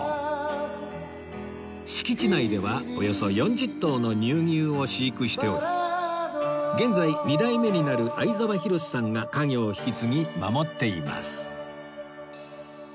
敷地内ではおよそ４０頭の乳牛を飼育しており現在２代目になる相澤広司さんが家業を引き継ぎ守っています